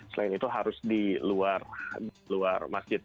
selain itu harus di luar masjid